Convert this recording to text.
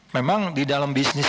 memang di dalam bisnis